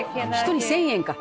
１人１０００円か。